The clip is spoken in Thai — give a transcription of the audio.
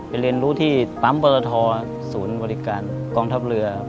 เรียนรู้ที่ปั๊มปรทศูนย์บริการกองทัพเรือ